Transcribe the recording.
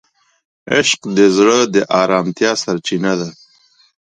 عشق د زړه د آرامتیا سرچینه ده.